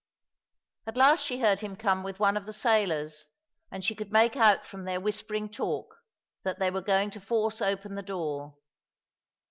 I At last she heard him come with one of the sailors, and she could make out from their whispering '^talk that they were going to force open the door.